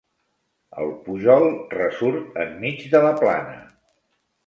El pujol ressurt enmig de la plana.